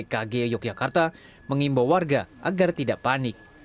kg yogyakarta mengimbau warga agar tidak panik